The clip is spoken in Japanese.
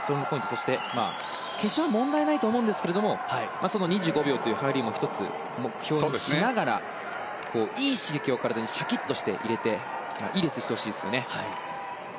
そして、決勝は問題ないと思いますがその２５秒という入りも目標としながらいい刺激を体にシャキッと入れてもらっていいレースをしてほしいですね。